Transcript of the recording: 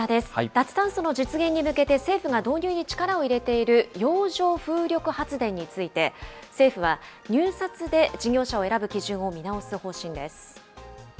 脱炭素の実現に向けて政府が導入に力を入れている洋上風力発電について、政府は、入札で事業者を選ぶ基準を見直す方針です。